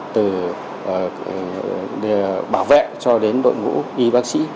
từ bảo vệ cho đến đội ngũ y bác sĩ